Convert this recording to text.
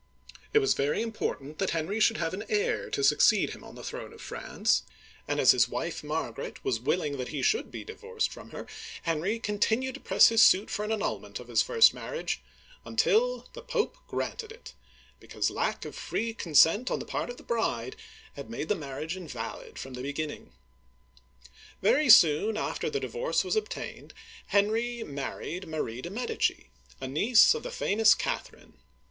It was very important that Henry should have an heir to succeed him on the throne of France ; and as his wife, Margaret, was willing that he should be divorced from her, Henry continued to press his suit for an annulment of his first marriage, until the Pope granted it, because lack of free consent on the part of the bride had made the marriage invalid from the beginning. Very soon after the divorce was obtained, Henry married Marie de* Medici, a niece of the famous Catherine.